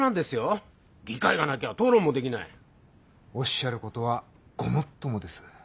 おっしゃることはごもっともです。